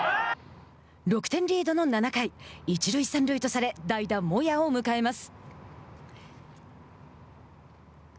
６点リードの７回一塁三塁とされ代打モヤを迎えます。